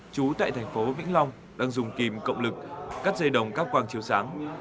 chú tại thành phố vĩnh long đang dùng kìm cộng lực cắt dây đồng các quang chiếu sáng